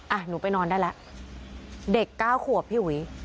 อ่ะหนูไปนอนได้แล้วเด็ก๙ขัวพี่หุย